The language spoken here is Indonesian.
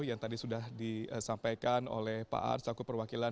yang tadi sudah disampaikan oleh pak ars aku perwakilan